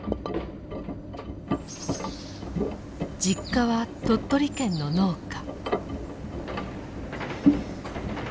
実家は鳥取県の農家。